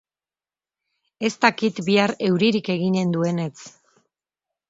Ez dakit bihar euririk eginen duenetz.